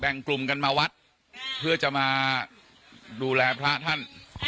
แต่งกลุ่มกันมาวัดเพื่อจะมาดูแลพระท่าน